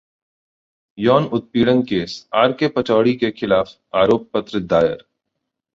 यौन उत्पीड़न case R K. Pachauri के खिलाफ आरोप पत्र दायर